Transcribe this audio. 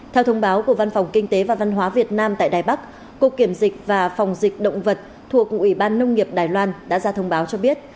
theo thông báo của văn phòng kinh tế và văn hóa việt nam tại đài bắc cục kiểm dịch và phòng dịch động vật thuộc ủy ban nông nghiệp đài loan đã ra thông báo cho biết